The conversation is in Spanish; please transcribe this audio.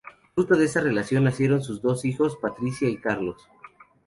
Fruto de esta relación nacieron sus dos hijos, Patricia y Carlos.